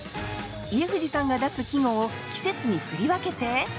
家藤さんが出す季語を季節に振り分けて！